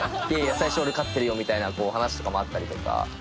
いやいや最初俺勝ってるよみたいな話とかもあったりとか。